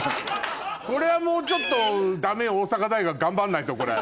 これはもうちょっとダメよ大阪大学頑張んないとこれ。